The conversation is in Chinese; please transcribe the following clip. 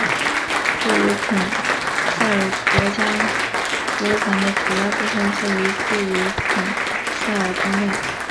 布鲁肯撒尔国家博物馆的主要部分设于布鲁肯撒尔宫内。